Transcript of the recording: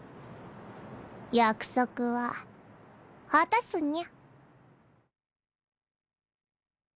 約束は果たすニャ。